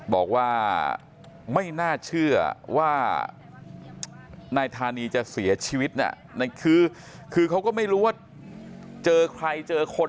บอกว่าไม่น่าเชื่อว่านายธานีจะเสียชีวิตคือเขาก็ไม่รู้ว่าเจอใครเจอคน